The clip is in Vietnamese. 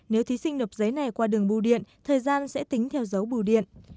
nếu thí sinh nộp giấy này qua đường bưu điện thời gian sẽ tính theo dấu bù điện